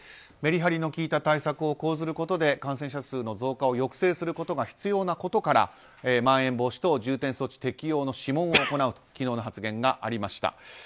メリハリの効いた対策を講ずることで感染者数の増加を抑制することが必要なことからまん延防止等重点措置適用の諮問を行うと昨日の発言がありました。